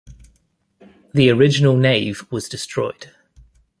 The original nave was destroyed.